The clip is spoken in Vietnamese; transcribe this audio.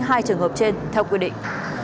hai trường hợp trên theo quy định